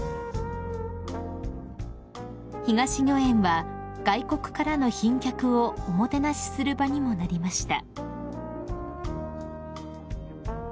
［東御苑は外国からの賓客をおもてなしする場にもなりました］